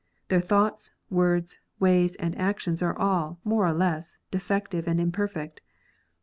Their thoughts, words, ways, and actions are all, more or less, defective and imperfect.